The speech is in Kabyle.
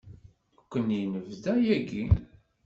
Nekkni nebda yagi.